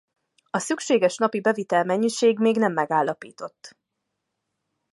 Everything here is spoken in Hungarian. A szükséges napi beviteli mennyiség még nem megállapított.